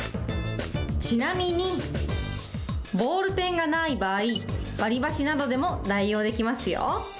ちなみに、ボールペンがない場合、割り箸などでも代用できますよ。